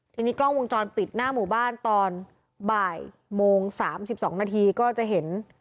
ทีนี้กล้องวงจรปิดหน้าหมู่บ้านตอนบ่ายโมง๓๒นาทีก็จะเห็น